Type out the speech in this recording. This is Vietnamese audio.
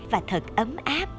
và thật ấm áp